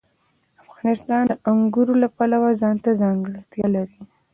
افغانستان د انګور د پلوه ځانته ځانګړتیا لري.